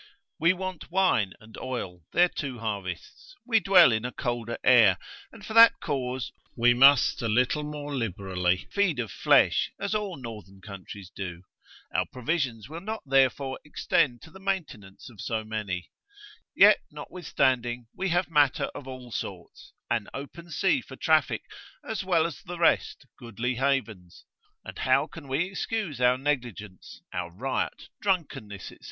we want wine and oil, their two harvests, we dwell in a colder air, and for that cause must a little more liberally feed of flesh, as all northern countries do: our provisions will not therefore extend to the maintenance of so many; yet notwithstanding we have matter of all sorts, an open sea for traffic, as well as the rest, goodly havens. And how can we excuse our negligence, our riot, drunkenness, &c.